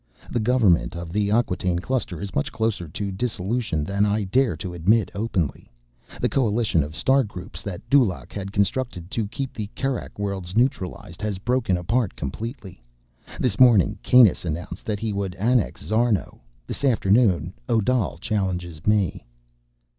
The Government of the Acquataine Cluster is much closer to dissolution than I dare to admit openly. The coalition of star groups that Dulaq had constructed to keep the Kerak Worlds neutralized has broken apart completely. This morning, Kanus announced that he would annex Szarno. This afternoon, Odal challenges me."